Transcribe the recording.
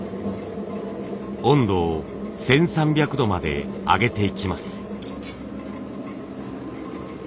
温度を１，３００度まで上げていきます。